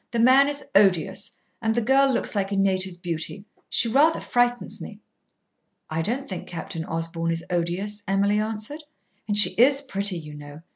The man is odious, and the girl looks like a native beauty. She rather frightens me." "I don't think Captain Osborn is odious," Emily answered. "And she is pretty, you know.